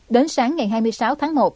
đến sáng ngày hai mươi sáu tháng một